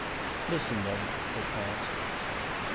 "Listen, then," said Cyaxares.